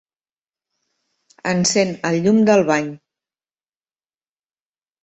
Encén el llum del bany.